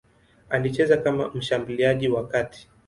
Alicheza kama mshambuliaji wa kati.